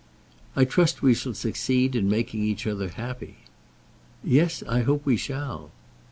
"I trust we shall succeed in making each other happy." "Yes; I hope we shall."